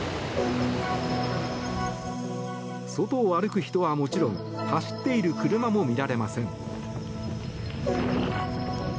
外を歩く人はもちろん走っている車も見られません。